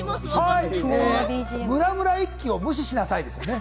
ムラムラ一樹を無視しなさい、ですよね？